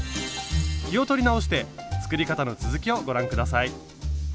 気を取り直して作り方の続きをご覧下さい。